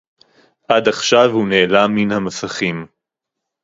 עד עכשיו הוא נעלם מן המסכים